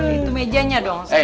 itu mejanya dong